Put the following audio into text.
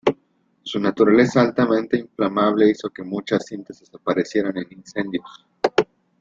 Su naturaleza altamente inflamable hizo que muchas cintas desaparecieran en incendios.